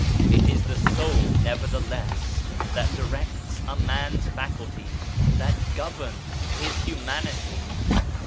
It is the soul nevertheless that directs a man's faculties, that governs his humanity.